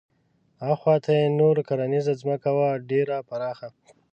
اخواته یې نوره کرنیزه ځمکه وه ډېره پراخه.